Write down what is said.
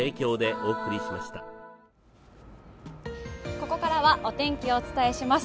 ここからはお天気をお伝えします。